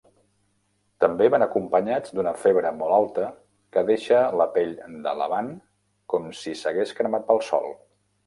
També van acompanyats d'una febre molt alta que deixa la pell de Lavan como si s'hagués cremat pel sol.